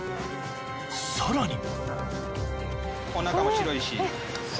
［さらに］